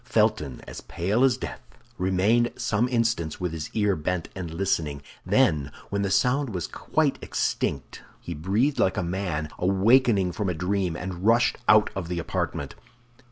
Felton, as pale as death, remained some instants with his ear bent and listening; then, when the sound was quite extinct, he breathed like a man awaking from a dream, and rushed out of the apartment.